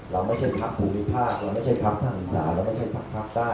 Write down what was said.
เราไม่ใช่พักภูมิภาคเราไม่ใช่พักภาคอีสานเราไม่ใช่พักภาคใต้